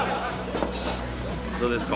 どうですか？